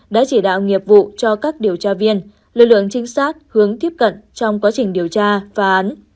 đã chỉ đạo nghiệp vụ cho các điều tra viên lực lượng trinh sát hướng tiếp cận trong quá trình điều tra phá án